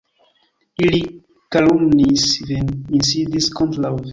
Ili kalumniis vin, insidis kontraŭ vi.